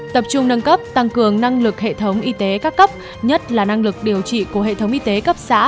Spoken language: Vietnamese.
tập trung nâng cấp tăng cường năng lực hệ thống y tế các cấp nhất là năng lực điều trị của hệ thống y tế cấp xã